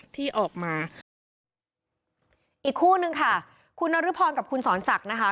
ที่ออกมาอีกคู่นึงค่ะคุณนรพรกับคุณสอนศักดิ์นะคะ